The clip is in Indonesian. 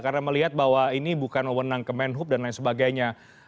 karena melihat bahwa ini bukan mewenang kemenhub dan lain sebagainya